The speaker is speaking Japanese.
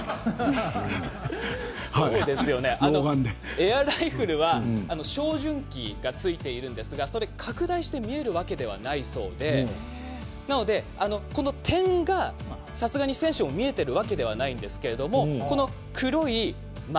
エアライフルは照準器がついているんですがそれは拡大して見えるわけではないそうでしてこの点が、さすがに選手も見えているわけではないんですけれどもこの黒い丸。